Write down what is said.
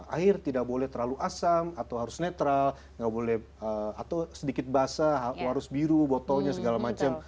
air tidak boleh terlalu asam atau harus netral tidak boleh atau sedikit basah harus biru botolnya segala macam